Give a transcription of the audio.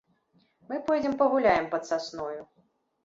Мы пойдзем пагуляем пад сасною.